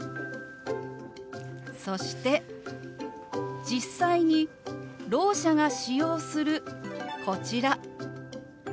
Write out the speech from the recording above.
そして実際にろう者が使用するこちら。